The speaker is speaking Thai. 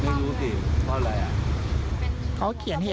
ไม่รู้สิเพราะอะไรอ่ะ